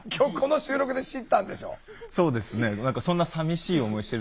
そうですね。